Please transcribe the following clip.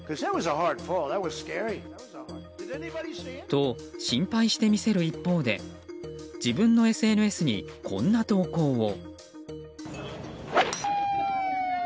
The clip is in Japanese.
と、心配してみせる一方で自分のＳＮＳにこんな投稿を。